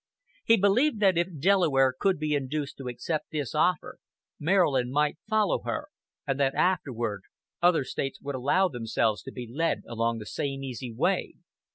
He believed that if Delaware could be induced to accept this offer, Maryland might follow her example, and that afterward other States would allow themselves to be led along the same easy way.